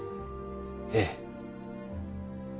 ええ。